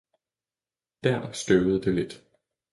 dér støvede det lidt.